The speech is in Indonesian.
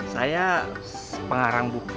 saya pengarang buku